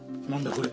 これ。